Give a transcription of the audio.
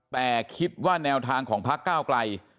แต่คิดว่าแนวทางของพักก้าวไกล